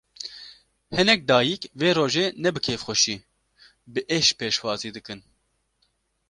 Hinek dayîk, vê rojê ne bi kêfxweşî, bi êş pêşwazî dikin